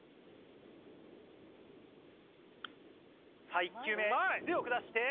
さぁ１球目強く出して。